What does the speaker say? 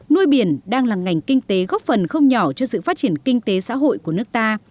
nuôi biển đang là ngành kinh tế góp phần không nhỏ cho sự phát triển kinh tế xã hội của nước ta